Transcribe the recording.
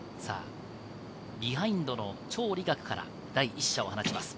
ビハインドのチョウ・リガクから第１射を放ちます。